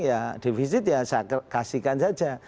ya defisit ya saya kasihkan saja